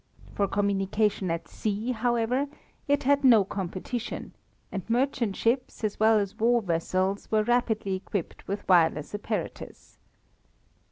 For communication at sea, however, it had no competition, and merchant ships as well as war vessels were rapidly equipped with wireless apparatus.